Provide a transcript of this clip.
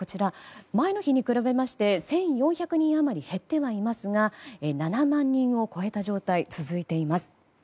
前の日に比べまして１４００人余り減っていますが７万人を超えた状態が続いています。